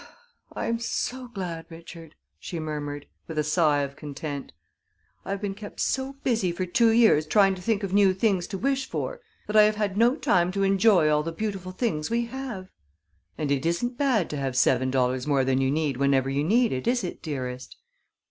"I am so glad, Richard," she murmured, with a sigh of content. "I have been kept so busy for two years trying to think of new things to wish for that I have had no time to enjoy all the beautiful things we have." "And it isn't bad to have seven dollars more than you need whenever you need it, is it, dearest?"